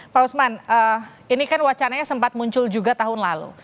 pak usman ini kan wacananya sempat muncul juga tahun lalu